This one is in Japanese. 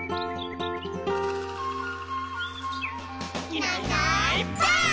「いないいないばあっ！」